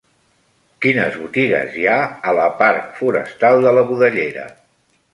Quines botigues hi ha a la parc Forestal de la Budellera?